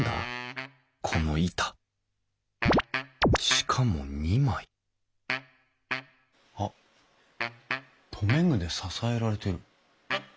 しかも２枚あっ留め具で支えられてる。